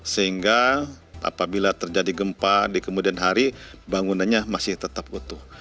sehingga apabila terjadi gempa di kemudian hari bangunannya masih tetap butuh